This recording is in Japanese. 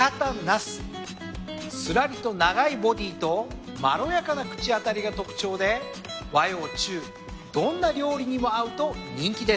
すらりと長いボディーとまろやかな口当たりが特徴で和洋中どんな料理にも合うと人気です。